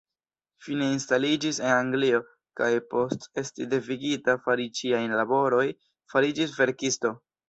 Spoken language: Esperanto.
Fine instaliĝis en Anglio, kaj post esti devigita fari ĉiajn laboroj fariĝis verkisto.